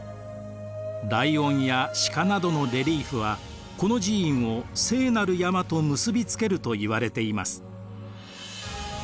ライオンや鹿などのレリーフはこの寺院を聖なる山と結び付けるといわれています。